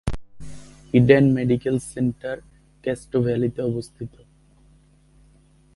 Eden medical centre Castro ভ্যালিতে অবস্থিত।